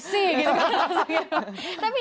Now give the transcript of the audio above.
harga aja sih